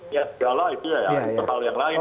ya segala itu ya internal yang lain